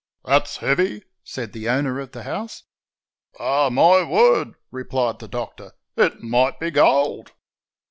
"That's heavy," said the owner of the house. "Ah! my word," replied the Doctor, "it might be gold."